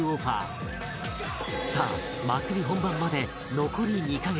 さあ祭り本番まで残り２カ月